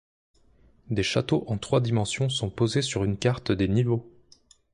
Des châteaux en trois dimensions sont posés sur une carte des niveaux.